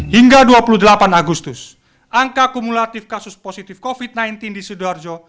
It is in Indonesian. hingga dua puluh delapan agustus angka kumulatif kasus positif covid sembilan belas di sidoarjo